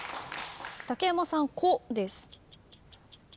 竹山さん「こ」です。